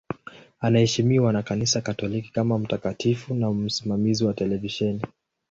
Anaheshimiwa na Kanisa Katoliki kama mtakatifu na msimamizi wa televisheni.